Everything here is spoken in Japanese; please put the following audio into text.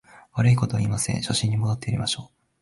悪いことは言いません、初心に戻ってやりましょう